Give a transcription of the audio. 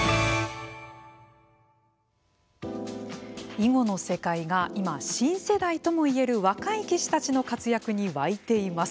囲碁の世界が今新世代とも言える若い棋士たちの活躍に沸いています。